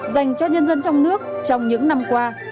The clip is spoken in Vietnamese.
dành cho nhân dân trong nước trong những năm qua